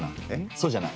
そうじゃない。